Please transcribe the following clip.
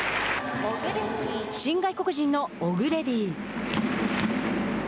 新外国人のオグレディ。